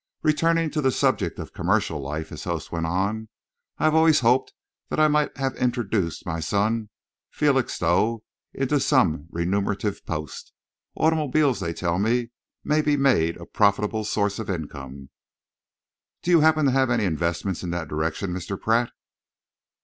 "Returning to the subject of commercial life," his host went on, "I have always hoped that I might have introduced my son, Felixstowe, into some remunerative post. Automobiles, they tell me, may be made a profitable source of income. Do you happen to have any investments in that direction, Mr. Pratt?"